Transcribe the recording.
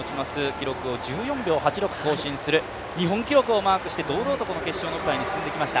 記録を１４秒８６更新する日本記録をマークして、堂々とこの決勝の舞台に進んできました。